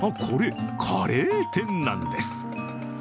これ、カレー店なんです。